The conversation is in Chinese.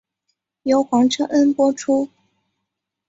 由黄承恩播出。